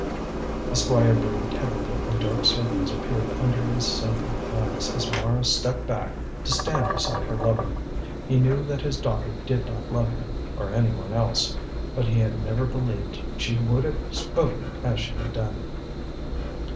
The Squire breathed heavily and dark circles appeared under his sunken eyes as Mara stepped back to stand beside her lover. He knew that his daughter did not love him, or anyone else, but he had never believed she would have spoken as she had done.